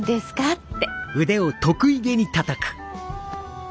って。